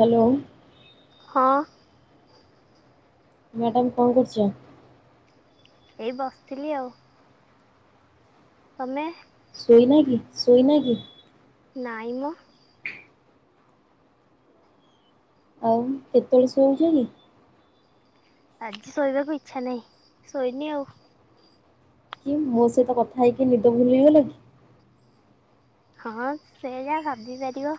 Hello ହଁ। Madam କଣ କରୁଛ? ଏଇ ବସିଥିଲି ଆଉ ତମେ? ଶୋଇନା କି, ଶୋଇନା କି? ନାଇମ ଆଉ କେତେବେଳେ ଶୋଇଉଛ କି? ଆଜି ଶୋଇବାକୁ ଇଚ୍ଛା ନାହିଁ, ଶୋଇନି ଆଉ କି ମୋ ସହିତ କଥା ହେଇକି, ନିଦ ଭୁଲିଗଲ କି? ହଁ, ସେ ଯା ଭାବି ପାରିବ।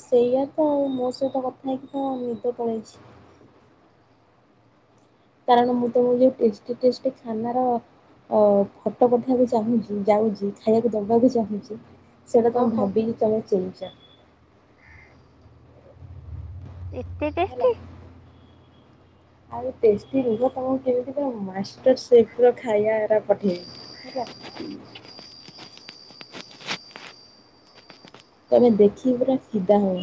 ସେଇଆ ତ, ଆଉ ମୋ ସହିତ କଥା ହେଇକି ତ ନିଦ ପଳେଇଛି। କଣ ମୁଁ ତ [unintelligible] ଟେଷ୍ଟଟି ଟେଷ୍ଟଟି ଖାନାର ଅ ଫଟୋ ପଠେଇକୁ ଚାହୁଁଛି, ଯାଉଛି, ଖାଇବାକୁ ଦେବାକୁ ଚାହୁଁଛି। ସେଇଟା ତମେ ଓହୋ ଭାବିକି ତମେ ଚେଇଁଚ? ଏତେ ହେଲା। ଟେଷ୍ଟି ଆଉ [unintelligible] ର କଣ କେମିତିକା ମା ଖାଇବା ପଠିବି ହେଲାା [unintelligible] ତମେ ଦେଖିକି ପୁରା ଫିଧା ହଉ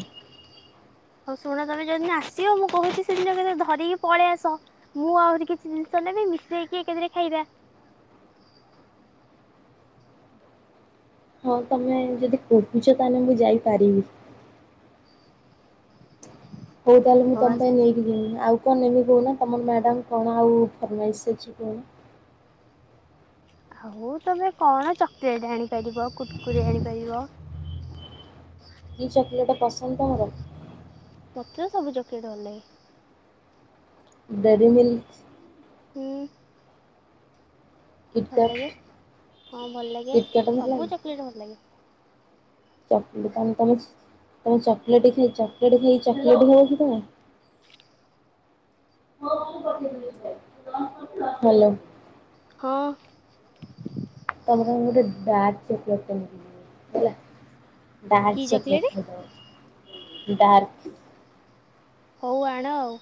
ହଉ ଶୁଣ ତମେ ଯଦଦିନ ଆସିବ, ମୁଁ କହୁଛି ସେଦିନ ତମେ ଧରିକି ପଳେଇ ଆସ, ମୁଁ ଆହୁରି କିଛି ଜିନିଷ ମିଶେଇକି ଏକାଥରେ ଖାଇବା। [unintelligible] ହଁ ତମେ ଯଦି କହୁଛ, ତାହଲେ ମୁଁ ଯାଇପାରିବି। ହଉ ତାହେଲେ ମୁଁ ତମ ପାଇଁ ନେଇକି ଜିମି, ଆଉ କଣ ଏମି କହୁନା ତମର ମ୍ୟାଡ଼ାମ କଣ ଆଉ ଫର୍ମାଇସ ଅଛି କହୁନ? ହଉ ତମେ କଣ? ଚକୋଲେଟ ଆଣିପାରିବ, କୁର କୁରି ଆଣିପାରିବ। କି ଚକୋଲେଟ ପସନ୍ଦ ତମର? ମତେ ତ ସବୁ ଚକଲେଟ ଭଲଲାଗେ। ଡେରିମିଲ୍? ହୁଁ? ଭଲ କିଟକାଟ ଲାଗେ ହଁ ଭଲ ଲାଗେ କିଟକାଟ ସବୁ ଚକୋଲେଟ ଭଲ ଲାଗେ। [unintelligible] ଚପଲେଟ ଆ ତମ [unintelligible] ତମେ ଚକଲେଟ ଖାଇ ଚକଲେଟ ଖାଇ ଚକଲେଟ ହବ କି ତ। [unintelligible] ହ ହ୍ୟାଲୋ। ହଁ। ଆଟ [unintelligible] ହେଲା। ଡାର୍କ କି ଚକଲେଟ୍ ଚକୋଲେଟ୍ ଖାଇଦେଵବ ଡାର୍କ ହଉ ଆଣ ଆଉ?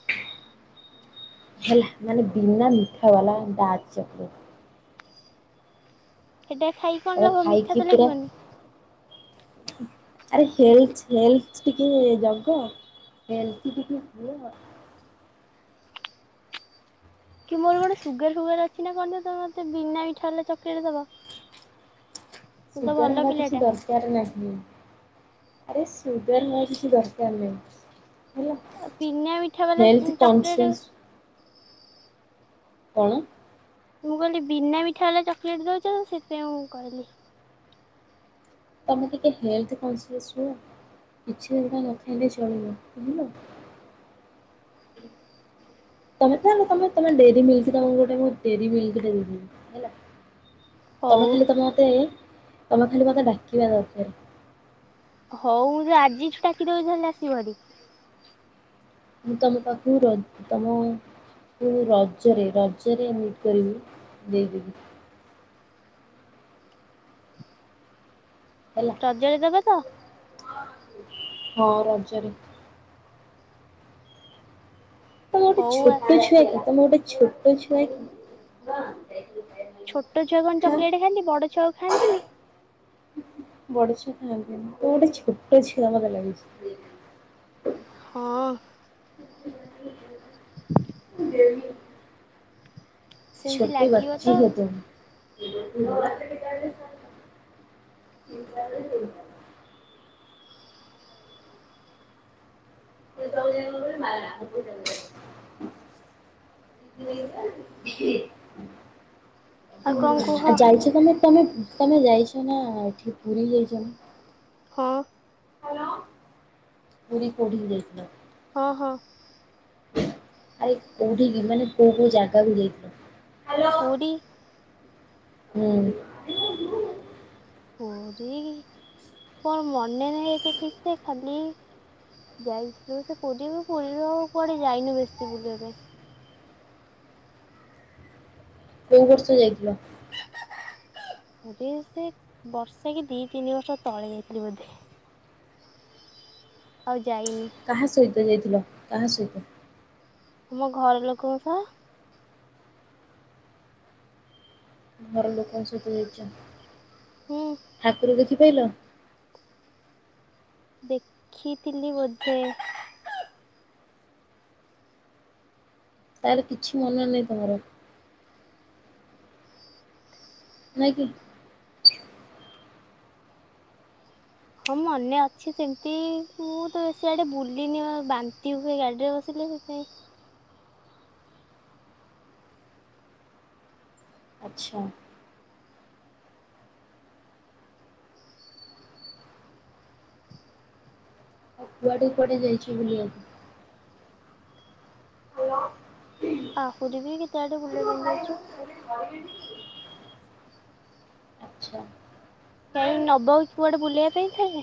ହେଲା ମାନେ ବିନା ମିଠା ବାଲା ଡାର୍କ ଚକଲେଟ। ସେଟା ଖାଇକି କଣ ତମେ ଲାଗିବ ଖାଇକି ମିଠା ତ ପୁରା ଲାଗିବନି? ଆରେ ହେଲ୍ଥ ଟିକେ ଜଗ? ହେଲଥ୍ ବି ଠିକ [unintelligible] କି ମୋର ଗୋଟେ ସୁଗାର ଫୁଗାର ଅଛି ନା କଣ ତ ମତେ ବିନା ମିଠା ବାଲା ଚକଲେଟ ଦବ। ମୁଁ ତ ସୁଗାର ଭଲ ହବା କିଛି ପିଲାଟା ଦରକାର ନାହି। ଆରେ ସୁଗାର ନ କିଛି ଦରକାର ନାହିଁ? ହେଲା ଆଉ ବିିନା ମିଠା ବାଲା ହେଲ୍ଥ ଚକୋଲେଟ କନସିଅସ କଣ? ମୁଁ କହିଲି ବିନା ମିଠା ବାଲା ଚକୋଲେଟ ଦଉଛ ସେଥିପାଇଁ ମୁ କହିଲି? ତମେ ଟିକେ ହେଲଥ୍ କନ୍ସିଅସ୍ ହୁଅ। କିଛି [unintelligible] ଦଗା ନଖାଇଲେ ଚଳିବ ବୁଝିଲ? ତମେ ତ ତମେ ତମେ ଡେରିମିଲ୍କ ତମ ଗୋଟେ ମୁ ଡେରିମିଲ୍କ ଦେବି [unintelligible] ହେଲା ତମେ ହଉ ଖାଲି ତମେ ମତେ ତମେ ଖାଲି ମତେ ଡାକିବା ଦରକାର। ହଉ ମୁଁ ତ ଆଜିଠୁ ଡାକିଦଉଛି ହେଲେ ଆସିବ ଭରି। ମୁଁ ତମ ପାଖକୁ ରଜ ତମ ମୁୁ ରଜରେ ରଜରେ ମିଟ୍ କରିବି ଦେଇଦବି। ହେଲା ରଜ ରେ ଦବ ତ? ହଁ ରଜ ରେ। ତମ ଗୋଟେ ହଉ ଆ ଛୋଟ ଛୁଆ କି ତମ ଗୋଟେ ଛୋଟ ଛୁଆ କି? ଛୋଟ ଛୁଆ କଣ ହାଁ ଚକୋଲେଟ ଖାଆନ୍ତି ବଡ ଛୁଆ ଖାଆନ୍ତି ନି? ଆ ତମେ ମୋତେ ଛୋଟ ଛୁଆ ମୋତେ ଲାଗୁଛି। ହଁ? [unintelligible] ସେମିତି ଛୋଟି ଲାଗିବ ବଚଛି ତ ହୋ ତୁମ୍? [unintelligible] [unintelligible] ପ୍ରଜ ମର ପଜ [unintelligible] [unintelligible] ଆଉ କଣ କୁହ ଆଉ ଯାଇଛ ତମେ ତମେ [unintelligible] ତମେ ଯାଇଛ ନା ଏଠି ପୁରୀ ଯାଇଛ ନା ହଁ। ହାଲୋ ପୁରୀ କୋଉଁଠିକି ଯାଇଥିଲ? ହଁ ହଁ। ଆରେ କୋଉଠିକି ମାନେ କୋଉ କୋଉ ଜାଗାକୁ ଯାଇଥିଲ? ପୁରୀ। ହୁଁ। ପୁରୀ କଣ ମନେ ନାହି ଏତ ଠିକ ସେ ଖାଲି ଯାଇଥିଲୁ ସେ ପୁରୀ, ପୁରୀରୁ ଆଉ କୁଆଡେ ଯାଇନୁ କିଛି ବୁଲିବା ପାଇଁ। ହ [unintelligible] କୋଉ ବର୍ଷ ଯାଇଥିଲ? ଓ ସେ ବର୍ଷୈ କି ଦି ତିନି ବର୍ଷ ତଳେ ଯାଇଥିଲି ବୋଧେ। ଆଉ ଯାଇନି କାହା ସହିତ ଯାଇଥିଲ କାହା ସହିତ? ଆମ ଘର ଲୋକଙ୍କ ସହ। ଘର ଲୋକଙ୍କ ସହିତ ହୁଁ ଯାଇଚନ୍ତି। ଠାକୁର କି [unintelligible] ଦେଖିଥିଲି ବୋଧେ ତାହାଲେ କିଛି ମନେ ନାହିଁ ତମର। ନାଇଁ କି ହଁ ମନେ ଅଛି ସେମିତି ମୁଁ ତ ସିଆଡେ ବୁଲିନି ବାନ୍ତି ହୁଏ ଗାଡିରେ ବସିଲେ [unintelligible] ହଁ [unintelligible] ଆଚ୍ଛା। ଆଉ କୁଆଡେ କୁଆଡେ ଯାଇଛୁ ବୁଲିବାକୁ? ଆହୁରି ବି କେତେ ଆଡେ ବୁଲିବା ପାଇଁ ଯାଇଛୁ। ଆଚ୍ଛା କାଇଁ ନବ କୁଆଡେ ବୁଲେଇବା ପାଇଁ ଠାଏ?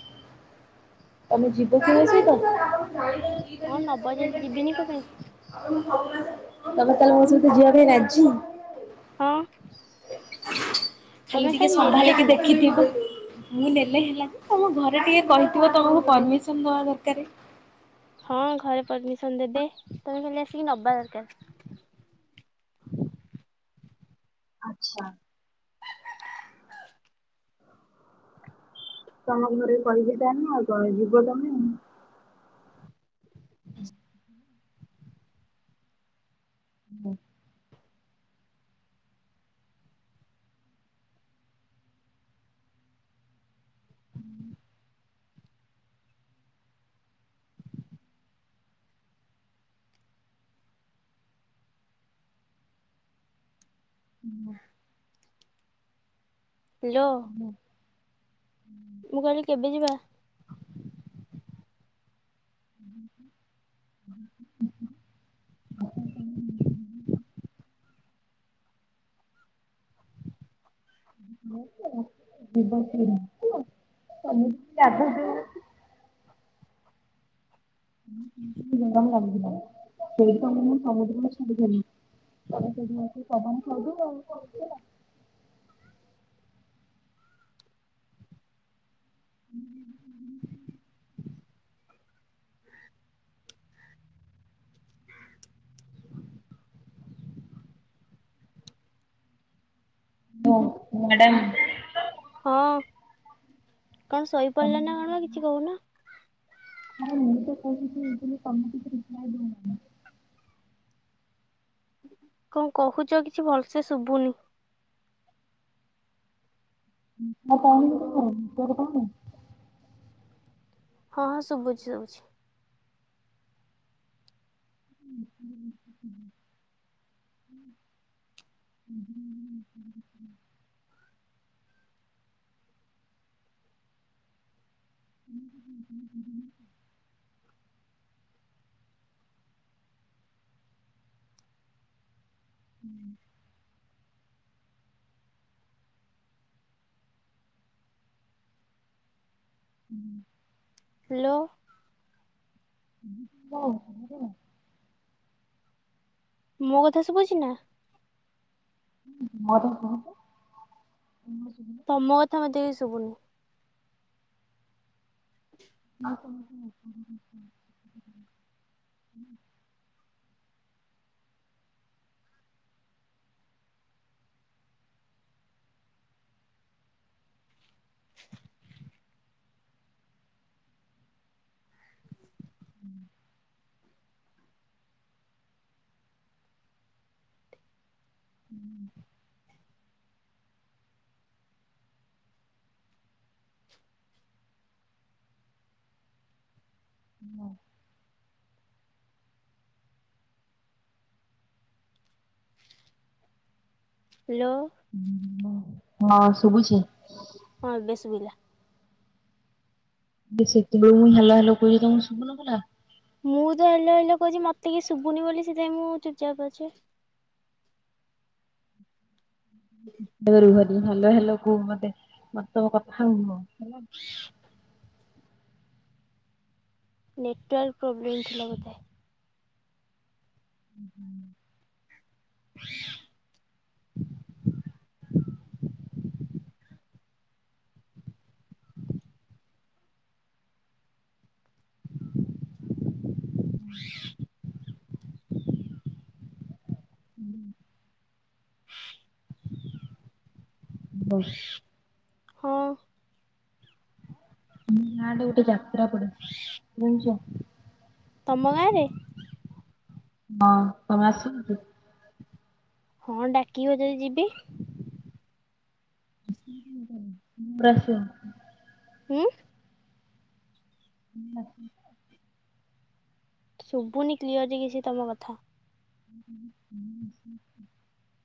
ତମେ ଯିବ କି ମୋ ସହିତ? [unintelligible] ହଁ ନବ ଯଦି ଯିବିନି କଣ ପାଇଁ ତମେ ତାହେଲେ ମୋ ସହିତ ଯିବା ପାଇଁ ରାଜି। ହଁ। ଖାଲି ତମେ ଟିକେ ନେଲେ ସମ୍ଭାଳିକି ହେଲା ଦେଖିଥିବୁ ମୁଁ ନେଲେ ହେଲା ଯେ ତମ ଘରେ ଟିକେ କହିଥିବ ତମକୁ ପରମିସନ ଦବା ଦରକାର। ହଁ ଘରେ ପରମିସନ ଦେବେ ତମେ ଖାଲି ଆସିକି ନବା ଦରକାର। [inaudible] ଆଚ୍ଛା ତମ ଘରେ [unintelligible] ଆଉ ଯିବ ତମେ। ହଁ [unintelligible] [unintelligible] ହାଲୋ। ମୁଁ କହିଲି କେବେ ଯିବା? ହ [unintelligible] [unintelligible] [unintelligible] [unintelligible] ହ [unintelligible] ଦ ମ୍ୟାଡ଼ାମ୍ ହଁ କଣ ଶୋଇପଡ଼ିଲେ ନା କଣ କିଛି କହୁନ? [unintelligible] କଣ କହୁଛ କିଛି ଭଲସେ ଶୁଭୁନି? [unintelligible] ହଁ ହଁ ଶୁଭୁଛି ଶୁଭୁଛି। [inaudible] [unintelligible] [unintelligible] ହୁଁ [unintelligible] ହୁଁ। ହାଲୋ। [unintelligible] ମୋ କଥା ଶୁଭୁଛି ନା? ଆଉ କଣ କୁହନ୍ତୁ। ତମ କଥା ମତେ [unintelligible] ଶୁଭୁନି। [unintelligible] ହୁଁ। ହାଲୋ। ହ୍ୟାଲୋ! ହଁ ଶୁଭୁଛି? ହଁ ବେଶ ବିଲ ସେତବେଳ ମୁଇଁ ହେଲଲା ହେଲ କହୁଛି ତମ ଶୁଭୁନ ପଲା ମୁଁ ତ ହେଲା ହେଲ କହୁଛି ମତେ କିଏ ଶୁଭୁନି ବୋଲି ସେଥିପାଇଁ ମୁଁ ଚୁପଚାପ ଅଛି। [inaudible] ରୁହ ଭଲ ହେଲ କୁ ମେ ମ ତମ କଥା ହେ୍ୟାଲା ନେଟୱାର୍କ ପ୍ରୋବ୍ଲେମ୍ ଥିଲା ବୋଧେ? ହୁଁ। [inaudible] ହୁଁ। ହୁଁ। [inaudible] ହଁ। ଗାଁ ରେ ଗୋଟେ ଯାତ୍ରା ପଡେ, ଜାଣିଛ? ତମ ଗାଁରେ? ହଁ [unintelligible] ହଁ ଡାକିବ ଯଦି ଯିବି। [inaudible] ହମ୍ଁ? [unintelligible] ଶୁଭୁନି କ୍ଲିଅର କିଛି ତମ କଥା? ହ ହୁଁ।